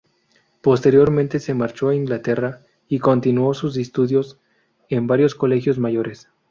Posteriormente se marchó a Inglaterra y continuó sus estudios en varios Colegios mayores.